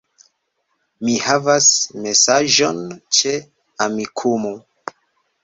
Mi havas mesaĝon ĉe Amikumu